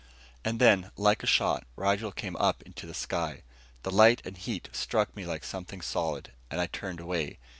And then, like a shot, Rigel came up into the sky. The light and heat struck me like something solid, and I turned away.